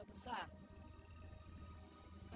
adik kepala sendiri adalah dosa besar